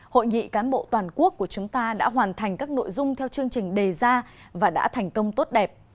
hội nghị cán bộ toàn quốc của chúng ta đã hoàn thành các nội dung theo chương trình đề ra và đã thành công tốt đẹp